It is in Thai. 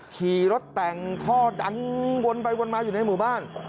ขี่รถแต่งท่อดังวนไปวนมาอยู่ในหมู่บ้าน